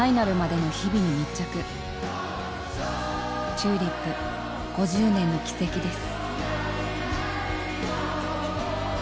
ＴＵＬＩＰ５０年の軌跡です。